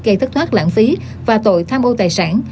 gây thất thoát lãng phí và tội tham ô tài sản